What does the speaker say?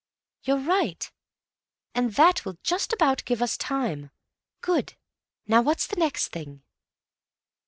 "You're right. And that will just about give us time. Good. Now, what's the next thing?"